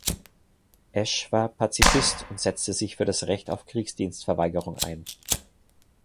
Esch war Pazifist und setzte sich für das Recht auf Kriegsdienstverweigerung ein.